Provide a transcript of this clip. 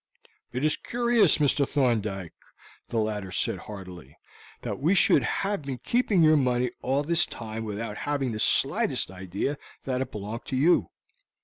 "It is curious, Mr. Thorndyke," the latter said heartily, "that we should have been keeping your money all this time without having the slightest idea that it belonged to you.